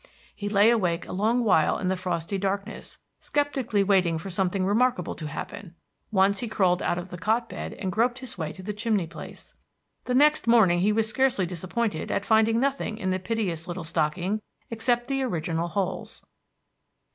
He lay awake a long while in the frosty darkness, skeptically waiting for something remarkable to happen; once he crawled out of the cot bed and groped his way to the chimney place. The next morning he was scarcely disappointed at finding nothing in the piteous little stocking, except the original holes.